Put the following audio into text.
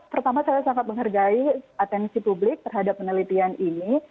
pertama saya sangat menghargai atensi publik terhadap penelitian ini